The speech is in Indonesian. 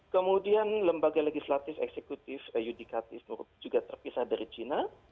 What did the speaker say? kemudian lembaga legislatif eksekutif yudikatif juga terpisah dari cina